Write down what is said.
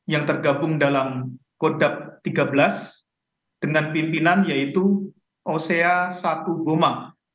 yang tergabung dalam kodab tiga belas dengan pimpinan yaitu oce satu goma